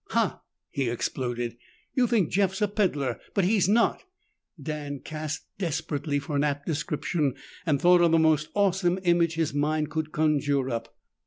"Ha!" he exploded. "You think Jeff's a peddler, but he's not." Dan cast desperately for an apt description and thought of the most awesome image his mind could conjure up.